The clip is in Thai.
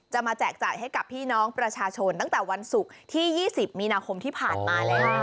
มาแจกจ่ายให้กับพี่น้องประชาชนตั้งแต่วันศุกร์ที่๒๐มีนาคมที่ผ่านมาแล้ว